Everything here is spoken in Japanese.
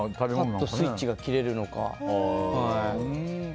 ぱっとスイッチが切れるのか。